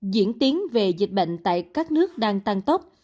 diễn tiến về dịch bệnh tại các nước đang tăng tốc